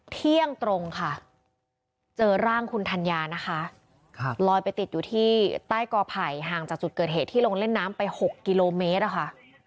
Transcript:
เที่ยงตรงค่ะเจอร่างคุณธัญญานะคะลอยไปติดอยู่ที่ใต้กอไผ่ห่างจากจุดเกิดเหตุที่ลงเล่นน้ำไป๖กิโลเมตรอะค่ะ